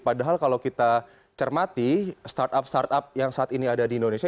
padahal kalau kita cermati startup startup yang saat ini ada di indonesia